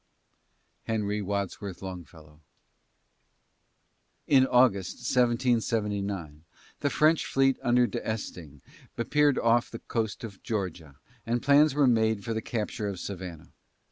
HENRY WADSWORTH LONGFELLOW. In August, 1779, the French fleet under D'Estaing appeared off the coast of Georgia, and plans were made for the capture of Savannah.